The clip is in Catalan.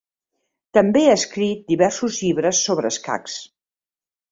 També ha escrit diversos llibres sobre escacs.